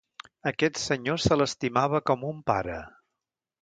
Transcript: Aquest senyor se l’estimava com un pare.